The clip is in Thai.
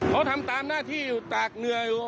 เขาทำตามหน้าที่อยู่ตากเหงื่ออยู่